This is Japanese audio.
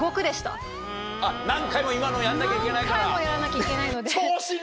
何回も今のをやんなきゃいけないから？